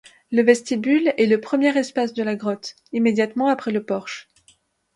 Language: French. Le vestibule est le premier espace de la grotte, immédiatement après le porche.